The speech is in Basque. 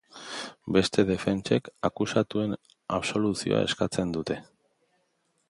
Beste defentsek akusatuen absoluzioa eskatzen dute.